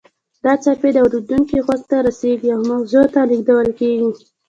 دا څپې د اوریدونکي غوږ ته رسیږي او مغزو ته لیږدول کیږي